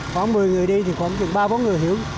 có một mươi người đi thì khoảng ba bốn người hiểu